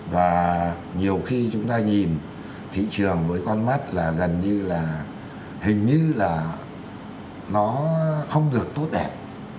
và nhiều khi chúng ta nhìn thị trường với con mắt là gần như là hình như là nó không được tốt đẹp